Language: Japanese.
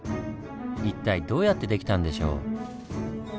一体どうやってできたんでしょう？